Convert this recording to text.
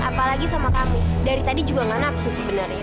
apalagi sama kamu dari tadi juga gak nafsu sebenarnya